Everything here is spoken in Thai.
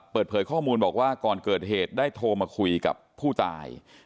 เปิดเผยข้อมูลบอกว่าก่อนเกิดเหตุได้โทรมาคุยกับผู้ตาย